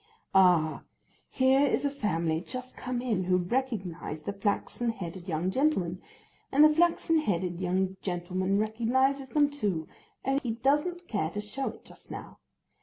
Ah! here is a family just come in who recognise the flaxen headed young gentleman; and the flaxen headed young gentleman recognises them too, only he doesn't care to show it just now.